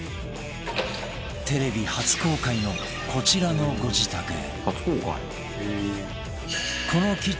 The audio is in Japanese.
テレビ初公開のこちらのご自宅へ